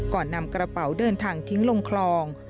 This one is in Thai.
ก่อนนำกระเป๋าเดินทางทิ้งลงคลอง